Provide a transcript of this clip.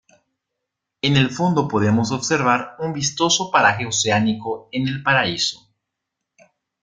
En el fondo podemos observar un vistoso paraje oceánico en el paraíso.